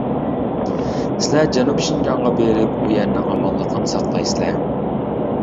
سىلەر جەنۇبىي شىنجاڭغا بېرىپ ئۇ يەرنىڭ ئامانلىقىنى ساقلايسىلەر.